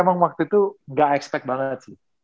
emang waktu itu gak expect banget sih